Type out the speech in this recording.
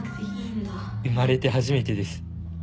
生まれて初めてです